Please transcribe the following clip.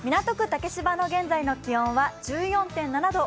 竹芝の現在の気温は１４．７度。